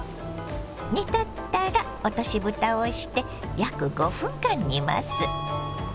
煮立ったら落としぶたをして約５分間煮ます。